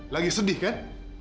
lagi sedih kan